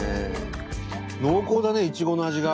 濃厚だねいちごの味が。